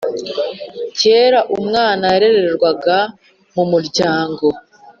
Kera umwana yarererwaga mu muryango